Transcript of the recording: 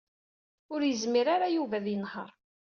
Ur yezmir ara Yuba ad yenheṛ.